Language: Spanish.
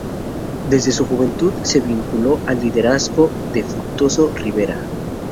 Desde su juventud se vinculó al liderazgo de Fructuoso Rivera.